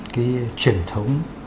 cái truyền thống